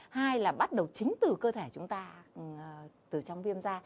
hai là bắt đầu chính từ cơ thể chúng ta từ trong viêm da